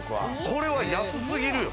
これは安すぎるよ。